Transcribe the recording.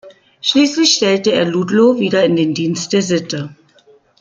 Schließlich stellt er Ludlow wieder in den Dienst der Sitte.